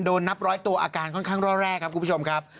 นับร้อยตัวอาการค่อนข้างร่อแรกครับคุณผู้ชมครับ